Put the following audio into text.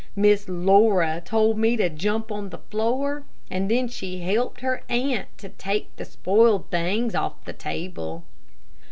Miss Laura told me to jump on the floor, and then she helped her aunt to take the spoiled things off the table.